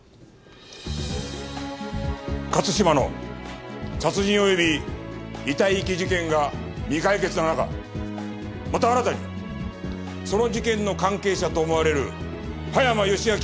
勝島の殺人および遺体遺棄事件が未解決な中また新たにその事件の関係者と思われる葉山義明が殺害された。